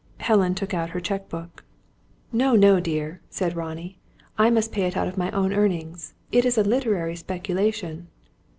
Helen took out her cheque book. "No, no, dear," said Ronnie. "I must pay it out of my own earnings. It is a literary speculation."